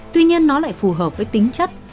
tuy nhiên nó lại phù hợp với tính chất